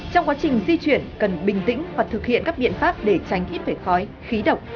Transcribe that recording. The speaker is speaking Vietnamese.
trong quá trình di chuyển cần bình tĩnh hoặc thực hiện các biện pháp để tránh ít vẻ khói khí độc